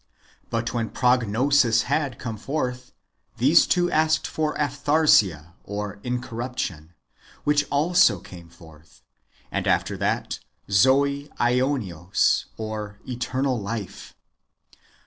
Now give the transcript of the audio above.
But when Prognosis had, [as was requested,] come forth, these tw^o asked for Aphtharsia (incorruption), wdiich also came forth, and after that Zoe Aionios (eternal life).